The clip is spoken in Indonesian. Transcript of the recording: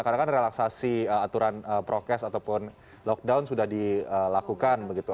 karena kan relaksasi aturan prokes ataupun lockdown sudah dilakukan begitu